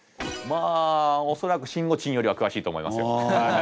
まあ恐らくしんごちんよりは詳しいと思いますよ。